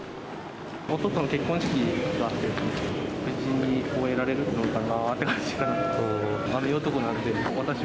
弟の結婚式があって、無事に終えられるのかなぁっていう。